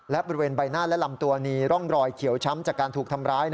และบริเวณใบหน้าและลำตัวมีร่องรอยเขียวช้ำจากการถูกทำร้าย